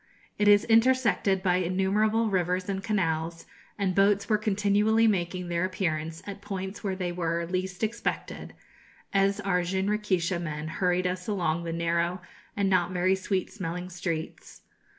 It is intersected by innumerable rivers and canals, and boats were continually making their appearance at points where they were least expected, as our jinrikisha men hurried us along the narrow and not very sweet smelling streets.